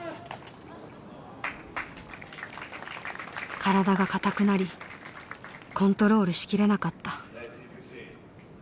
身体が硬くなりコントロールしきれなかった。